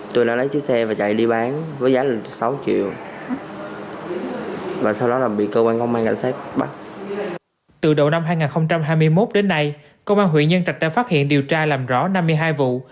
từ đầu năm hai nghìn hai mươi một đến nay công an huyện nhân trạch đã phát hiện điều tra làm rõ năm mươi hai vụ